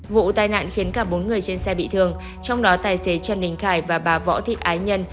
vụ tai nạn khiến cả bốn người trên xe bị thương trong đó tài xế trần đình khải và bà võ thị ái nhân